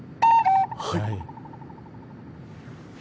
はい。